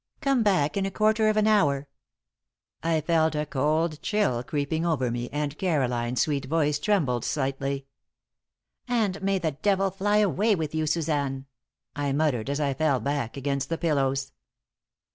"Come back in a quarter of an hour." I felt a cold chill creeping over me, and Caroline's sweet voice trembled slightly. "And may the devil fly away with you, Suzanne!" I muttered, as I fell back against the pillows.